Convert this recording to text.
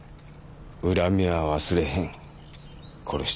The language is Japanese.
恨みは忘れへん殺してやる」